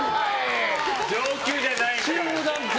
上級じゃないのか。